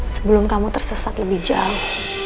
sebelum kamu tersesat lebih jauh